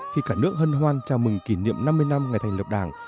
khi cả nước hân hoan chào mừng kỷ niệm năm mươi năm ngày thành lập đảng